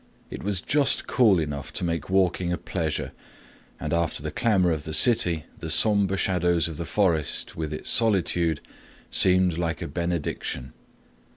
It was just cool enough to make walking a pleasure, and after the clamor of the city the somber shadows of the forest, with its solitude, seemed like a benediction.